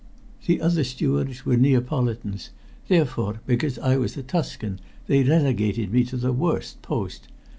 The other stewards were Neapolitans, therefore, because I was a Tuscan, they relegated me to the worst post.